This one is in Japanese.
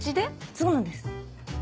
そうなんです。